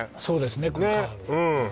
そうですね